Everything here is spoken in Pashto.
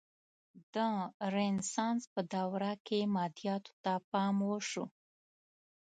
د رنسانس په دوره کې مادیاتو ته پام وشو.